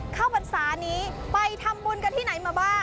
พรรษานี้ไปทำบุญกันที่ไหนมาบ้าง